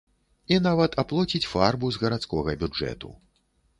І нават аплоціць фарбу з гарадскога бюджэту.